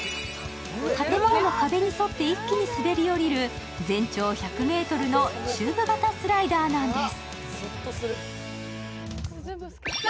建物の壁に沿って一気に滑り降りる、全長１００ｍのチューブ型スライダーなんです。